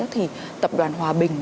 thì tập đoàn hòa bình